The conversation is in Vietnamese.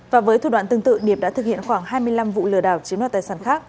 và với thủ đoạn tương tự điệp đã thực hiện khoảng hai mươi năm vụ lừa đảo chiếm đoạt tài sản khác